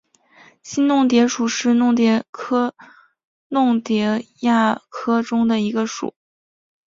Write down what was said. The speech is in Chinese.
新弄蝶属是弄蝶科弄蝶亚科中的一个属。